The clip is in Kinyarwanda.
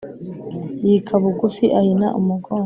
Yika bugufi ahina umugongo